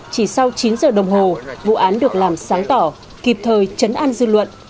chỉ sau chín giờ đồng hồ vụ án được làm sáng tỏ kịp thời chấn an dư luận